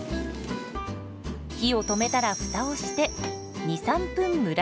火を止めたらフタをして２３分蒸らします。